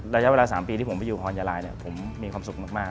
ระยะเวลา๓ปีที่ผมไปอยู่พรยาลายเนี่ยผมมีความสุขมาก